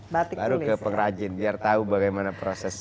baru ke pengrajin biar tahu bagaimana proses